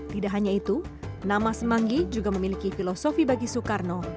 tidak hanya itu nama semanggi juga memiliki filosofi bagi soekarno